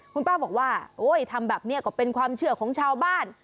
คุณป้าบอกว่าโอ้ยทำแบบนี้ก็เป็นความเชื่อของชาวบ้าน